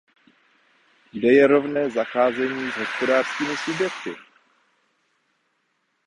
Kde je rovné zacházení s hospodářskými subjekty?